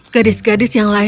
gadis gadis yang lainnya